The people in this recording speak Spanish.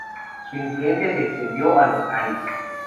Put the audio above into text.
Su influencia se extendió a los Ais.